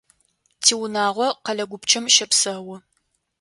Тиунагъо къэлэ гупчэм щэпсэу.